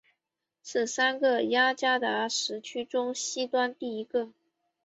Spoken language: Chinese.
是三个雅加达时区中西端第一个。